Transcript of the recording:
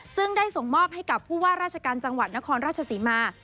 ซึ่งได้ส่งมอบให้กับผู้ว่าราชการจังหวัดนครราชศรีมา